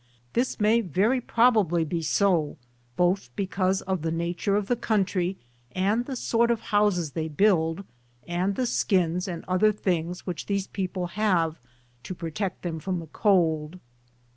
This may very probably be so, both because of the nature of the country and the sort of houses they build and the skins and other things which these people have to protect them from the cold.